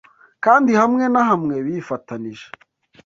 kandi hamwe na hamwe bifatanije